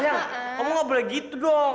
ya kamu gak boleh gitu dong